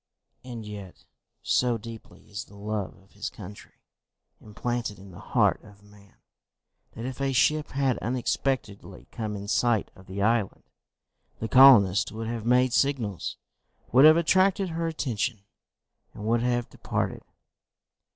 And yet so deeply is the love of his country implanted in the heart of man, that if a ship had unexpectedly come in sight of the island, the colonists would have made signals, would have attracted her attention, and would have departed!